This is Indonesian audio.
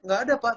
gak ada pak